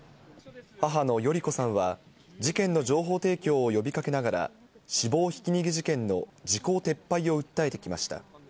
母の代里子さんは事件の情報提供を呼び掛けながら、死亡ひき逃げ事件の時効撤廃を訴えてきました。